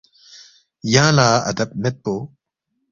یانگ لہ ادب مید پو